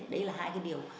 đấy là hai cái điều